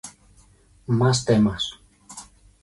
Más temas